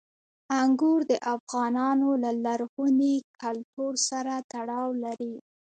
انګور د افغانانو له لرغوني کلتور سره تړاو لري.